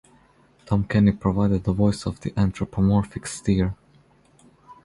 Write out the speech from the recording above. Tom Kenny provided the voice of the anthropomorphic steer.